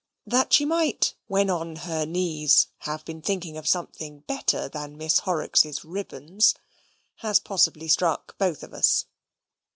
That she might, when on her knees, have been thinking of something better than Miss Horrocks's ribbons, has possibly struck both of us.